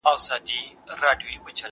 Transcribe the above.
زه ليکنه کړې ده،